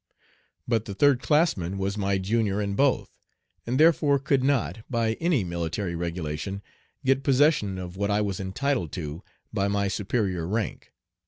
But the third classman was my junior in both, and therefore could not, by any military regulation, get possession of what I was entitled to by my superior rank.